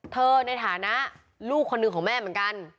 เธอในฐานะลูกคนอื่นของแม่เหมือนกัน